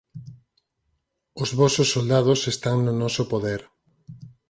"Os vosos soldados están no noso poder.